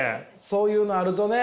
そういうのあるとね